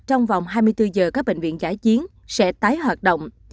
trong vòng hai mươi bốn giờ các bệnh viện giã chiến sẽ tái hoạt động